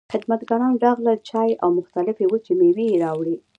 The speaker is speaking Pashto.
خدمتګاران راغلل، چای او مختلفې وچې مېوې يې راوړې.